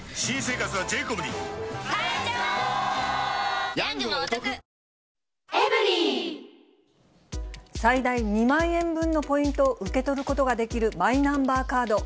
フラミンゴ最大２万円分のポイントを受け取ることができるマイナンバーカード。